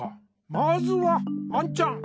まずはアンちゃん。